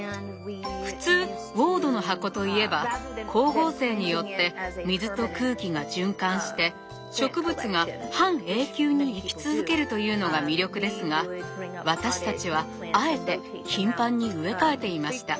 普通ウォードの箱といえば光合成によって水と空気が循環して植物が半永久に生き続けるというのが魅力ですが私たちはあえて頻繁に植え替えていました。